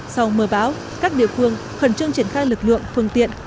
sau mưa bão các địa phương khẩn trương triển khai lực lượng phương tiện